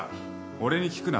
俺に聞くな。